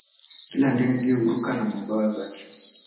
Kila ndege huruka na mbawa zake